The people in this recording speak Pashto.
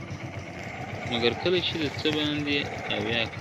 مګر کله چي د څه باندي اویا کالو .